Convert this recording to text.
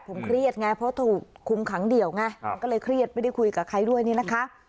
ผมเครียดไงเพราะถูกคุมขังเดี่ยวไงก็เลยเครียดไม่ได้คุยกับใครด้วยนี่นะคะ